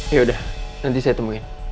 yaudah nanti saya temuin